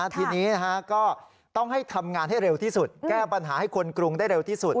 ทีนี้ก็ต้องให้ทำงานให้เร็วที่สุดแก้ปัญหาให้คนกรุงได้เร็วที่สุด